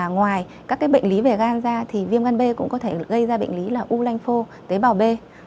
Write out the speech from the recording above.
ngoài các bệnh lý về gan da thì viêm gan b cũng có thể gây ra bệnh lý là u lanh phô tế bào b